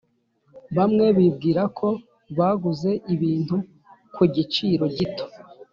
Bamwe bibwira ko baguze ibintu ku giciro gito,